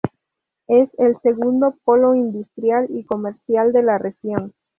Es el segundo polo industrial y comercial de la región.